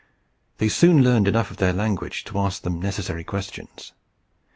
They soon learned enough of their language to ask them necessary questions.